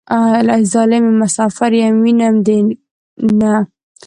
ای ظالمې مسافر يم وينم دې نه.